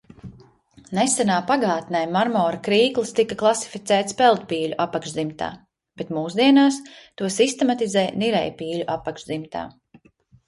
Nesenā pagātnē marmora krīklis tika klasificēts peldpīļu apakšdzimtā, bet mūsdienās to sistematizē nirējpīļu apakšdzimtā.